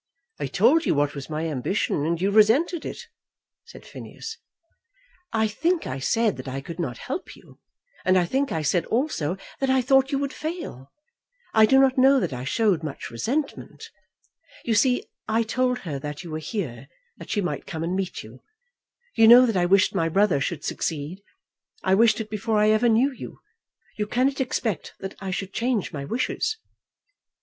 "I told you what was my ambition, and you resented it," said Phineas. "I think I said that I could not help you, and I think I said also that I thought you would fail. I do not know that I showed much resentment. You see, I told her that you were here, that she might come and meet you. You know that I wished my brother should succeed. I wished it before I ever knew you. You cannot expect that I should change my wishes."